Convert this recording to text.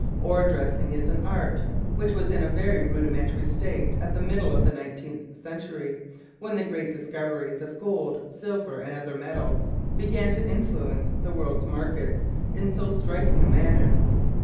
Ore dressing is an art which was in a very rudimentary state at the middle of the nineteenth century, when the great discoveries of gold, silver and other metals began to influence the world's markets in so striking a manner.